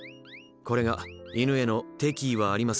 これが犬への「敵意はありません